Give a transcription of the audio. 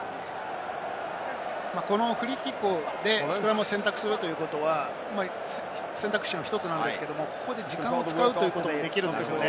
このフリーキックでスクラムを選択するということは、選択肢の１つなんですけれど、ここで時間を使うということもできるんですよね。